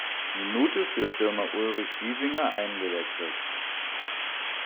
Minute für Stürmer Ulrich Biesinger eingewechselt.